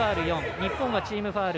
日本がチームファウル